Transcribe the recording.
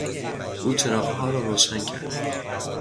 او چراغها را روشن کرد.